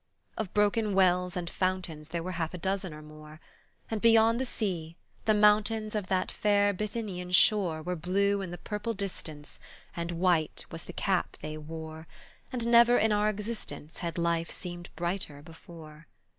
Of broken wells and fountains There were half a dozen or more, And, beyond the sea, the mountains Of that far Bithynian shore Were blue in the purple distance And white was the cap they wore, And never in our existence Had life seemed brighter before!